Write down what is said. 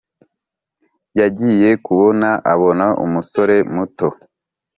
yagiye kubona abona umusore muto